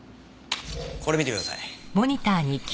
これ見てください。